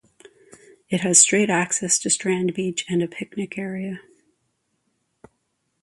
It has straight access to Strand Beach and a picnic area.